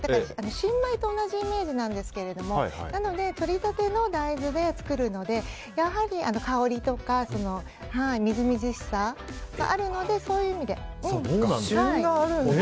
新米と同じなんですけどもとり立ての大豆で作るので、やはり香りとかみずみずしさがあるのでそういう意味で。